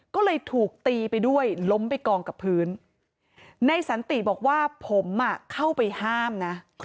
ก็เลยถูกตีไปด้วยล้มไปกองกับพื้นในสันติบอกว่าผมเข้าไปห้ามนะ